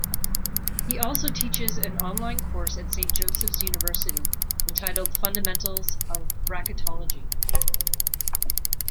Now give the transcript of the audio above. He also teaches an online course at Saint Joseph's University titled "Fundamentals of Bracketology".